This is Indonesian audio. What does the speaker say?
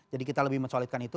jadi kita lebih mensolidkan itu